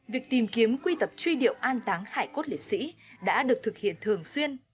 việc tìm kiếm quy tập truy điệu an táng hải cốt lễ sĩ đã được thực hiện thường xuyên